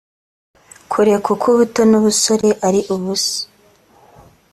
kure kuko ubuto n ubusore ari ubusa